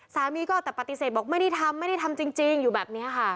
สามีก็แต่ปฏิเสธบอกไม่ได้ทำไม่ได้ทำจริงอยู่แบบนี้ค่ะ